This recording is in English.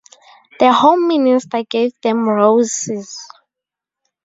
The Home Minister gave them roses.